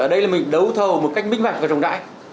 ở đây là mình đấu thầu một cách minh bạch và rộng đại